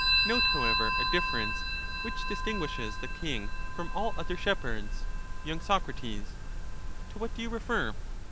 Note, however, a difference which distinguishes the king from all other shepherds. y. Soc. To what do you refer